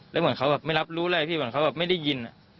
แล้วเหมือนเขาไม่รับรู้อะไรเหมือนเขาไม่ได้ยิน